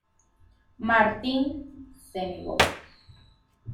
Martin se negó.